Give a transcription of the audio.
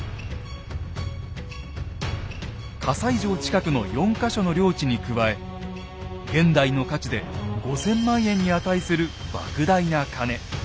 西城近くの４か所の領地に加え現代の価値で５，０００万円に値する莫大な金。